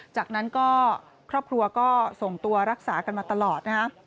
จากนั้นก็ครอบครัวก็ส่งตัวรักษากันมาตลอดนะฮะ